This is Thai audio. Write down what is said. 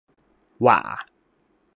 หว่า